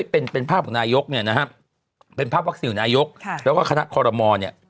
เป็นภาพของนายกเนี่ยนะฮะเป็นภาพวัคซีนนายกแล้วก็คณะคอรมอลเนี่ย